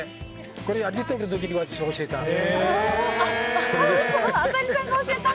これはリトルのときに私が教えたの。